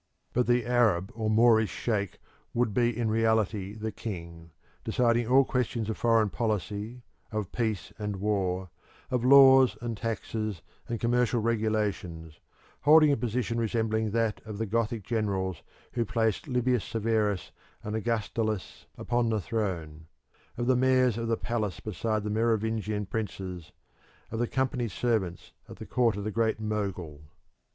But the Arab or Moorish sheikh would be in reality the king, deciding all questions of foreign policy, of peace and war, of laws and taxes and commercial regulations, holding a position resembling that of the Gothic generals who placed Libius Severus and Augustulus upon the throne of the mayors of the palace beside the Merovingian princes, of the Company's servants at the court of the great Mogul.